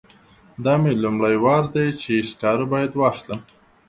دا مې لومړی وار دی چې سکاره باید واخلم.